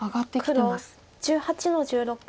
黒１８の十六。